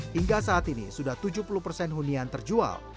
hingga saat ini sudah tujuh puluh persen hunian terjual